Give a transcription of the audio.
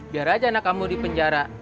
biar aja anak kamu di penjara